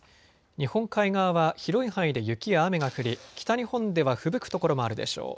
日本海側は広い範囲で雪や雨が降り北日本ではふぶく所もあるでしょう。